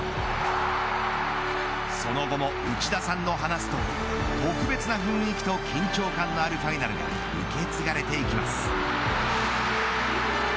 その後も内田さんの話すとおり特別な雰囲気と緊張感のあるファイナルが受け継がれていきます。